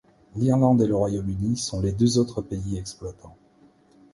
L’Irlande et le Royaume-Uni sont les deux autres pays exploitants.